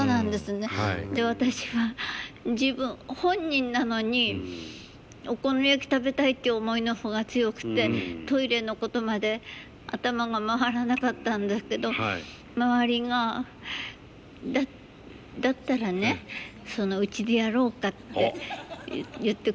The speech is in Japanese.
で私は自分本人なのにお好み焼き食べたいって思いの方が強くてトイレのことまで頭が回らなかったんですけど周りがだったらねうちでやろうかって言ってくれたんです。